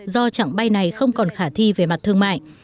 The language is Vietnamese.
do trạng bay này không còn khả thi về mặt thương mại